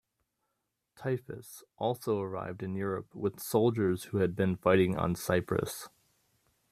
Typhus also arrived in Europe with soldiers who had been fighting on Cyprus.